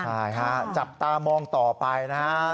ใช่ค่ะจับตามองต่อไปนะฮะ